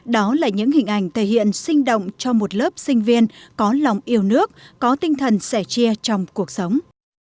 đó là những hình ảnh thể hiện sinh động cho một lớp sinh viên có lòng yêu nước có tinh thần sẻ chia trong cuộc sống